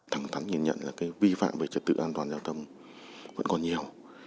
thẳng thắn nhìn nhận là vi phạm về trật tự an toàn giao thông vẫn còn nhiều